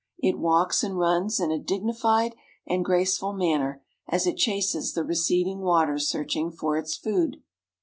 It walks and runs in a dignified and graceful manner as it chases the receding water searching for its food.